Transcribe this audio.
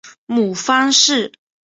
母方氏。